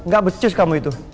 gak becus kamu itu